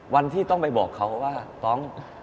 วันที่ต้องไปบอกเขาว่าต้อง